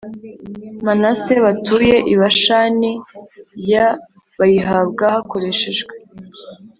Manase batuye i Bashani y bayihabwa hakoreshejwe